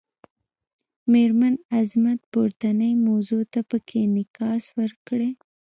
میرمن عظمت پورتنۍ موضوع ته پکې انعکاس ورکړی.